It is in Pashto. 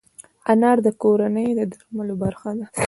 انار د کورني درملو برخه ده.